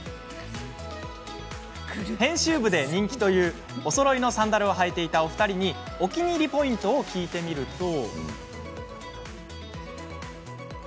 編集部で人気というおそろいのサンダルを履いていたお二人にお気に入りポイントを聞いてみますと。